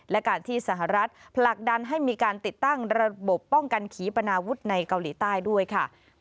และการที่สหรัฐผลักดันให้มีการติดตั้งระบบป้องกันขีปนาวุฒิในเกาหลีใต้ด้วยค่ะ